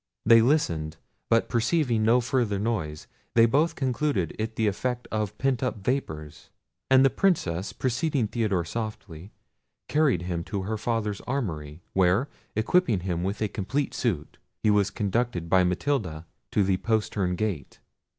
They listened; but perceiving no further noise, they both concluded it the effect of pent up vapours. And the Princess, preceding Theodore softly, carried him to her father's armoury, where, equipping him with a complete suit, he was conducted by Matilda to the postern gate.